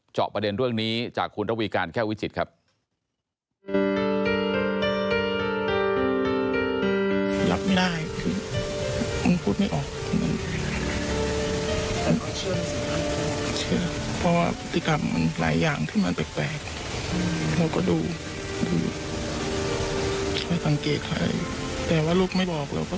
เจาะประเด็นเรื่องนี้จากคุณระวีการแก้ววิจิตรครับ